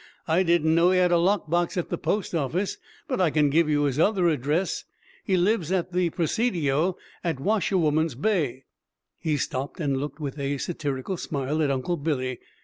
"I didn't know he had a lock box at the post office, but I can give you his other address. He lives at the Presidio, at Washerwoman's Bay." He stopped and looked with a satirical smile at Uncle Billy.